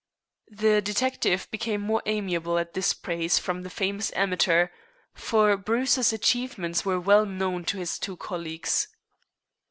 The detective became more amiable at this praise from the famous amateur, for Bruce's achievements were well known to his two colleagues.